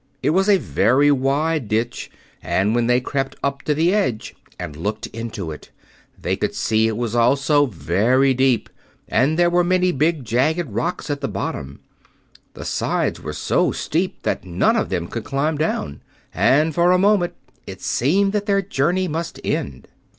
It was a very wide ditch, and when they crept up to the edge and looked into it they could see it was also very deep, and there were many big, jagged rocks at the bottom. The sides were so steep that none of them could climb down, and for a moment it seemed that their journey must end.